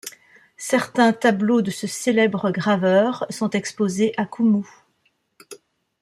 Certains tableaux de ce célèbre graveur sont exposés à Kumu.